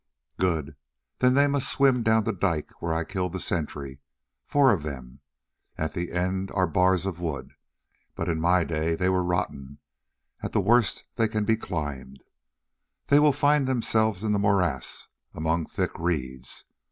"Good. Then they must swim down the dike where I killed the sentry, four of them. At the end are bars of wood, but in my day they were rotten; at the worst they can be climbed. Then they will find themselves in the morass among thick reeds.